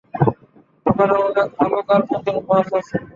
ওখানে অনেক ভালুক আর প্রচুর মাছ আছে।